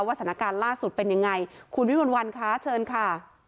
สถานการณ์ล่าสุดเป็นยังไงคุณวิมวลวันคะเชิญค่ะ